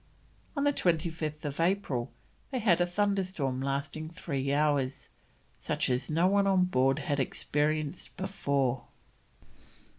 On 25th April they had a thunderstorm lasting three hours, such as no one on board had experienced before.